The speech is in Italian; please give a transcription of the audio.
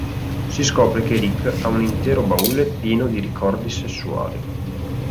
Si scopre che Rick ha un intero baule pieno di ricordi sessuali.